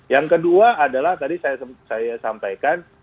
yang kedua adalah tadi saya sampaikan